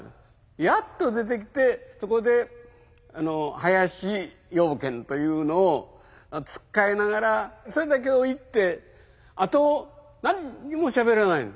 やっと出てきてそこで「林養賢」というのをつっかえながらそれだけを言ってあと何にもしゃべらないの。